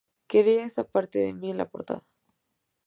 Quería esa parte de mí en la portada.